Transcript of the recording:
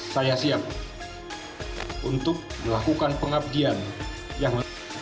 saya siap untuk melakukan pengabdian yang mulia